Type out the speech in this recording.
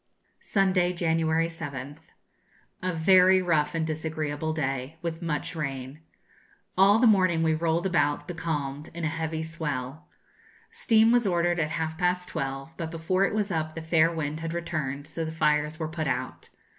Sunday, January 7th. A very rough and disagreeable day, with much rain. All the morning we rolled about, becalmed, in a heavy swell. Steam was ordered at half past twelve, but before it was up the fair wind had returned, so the fires were put out.